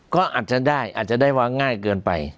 ก็อาจจะได้อาจจะได้วางง่ายเกินไป